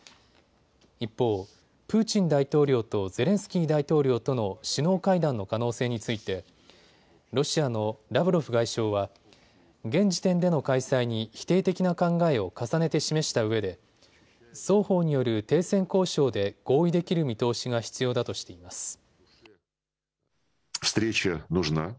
一方、プーチン大統領とゼレンスキー大統領との首脳会談の可能性についてロシアのラブロフ外相は現時点での開催に否定的な考えを重ねて示したうえで双方による停戦交渉で合意できる見通しが必要だとしています。